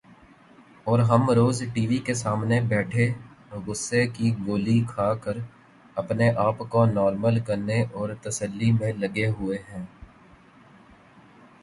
اور ہم روز ٹی وی کے سامنے بیٹھے غصے کی گولی کھا کر اپنے آپ کو نارمل کرنے اور تسلی میں لگے ہوئے ہیں ۔